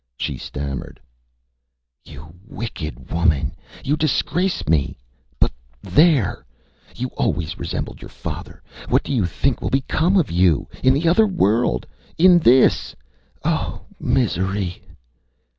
She stammered ÂYou wicked woman you disgrace me. But there! You always resembled your father. What do you think will become of you ... in the other world? In this ... Oh misery!